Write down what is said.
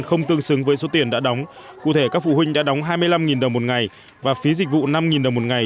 không tương xứng với số tiền đã đóng cụ thể các phụ huynh đã đóng hai mươi năm đồng một ngày và phí dịch vụ năm đồng một ngày